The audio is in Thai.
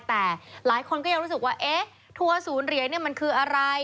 แต่หลายคนก็ยังรู้สึกว่าเอ๊ะทัวร์ศูนย์เหรียญมันคืออะไร